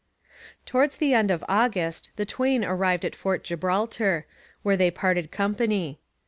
Towards the end of August the twain arrived at Fort Gibraltar, where they parted company.